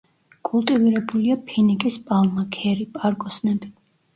კულტივირებულია ფინიკის პალმა, ქერი, პარკოსნები.